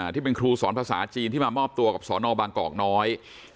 ที่เป็นครูสอนภาษาจีนที่มามอบตัวกับสอนอบางกอกน้อย